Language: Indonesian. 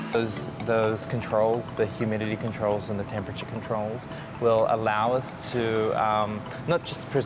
bukan hanya untuk meletakkan karya tapi juga melindungi karya untuk masa depan